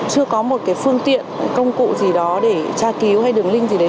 chưa có một cái phương tiện công cụ gì đó để tra cứu hay đường link gì đấy